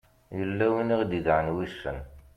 yella win i aɣ-d-idɛan wissen